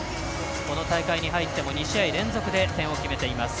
この大会に入って、２試合連続で点を挙げています。